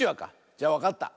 じゃわかった。